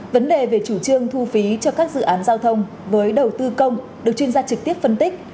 vấn đề về chủ trương thu phí cho các dự án giao thông với đầu tư công được chuyên gia trực tiếp phân tích